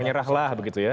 menyerahlah begitu ya